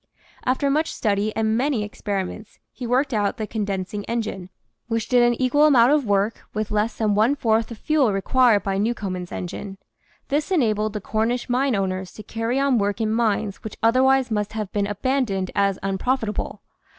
After much study and many experiments he worked out the condensing engine, which did an equal amount of work with less than one fourth the fuel required by New comen's engine. This enabled the Cornish mine owners to carry on work in mines which otherwise must have been abandoned as unprofitable.